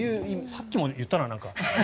さっきも言ったななんか。